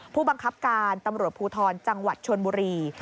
ผู้บังคับการตำรวจภูทรจังหวัดชนบุรี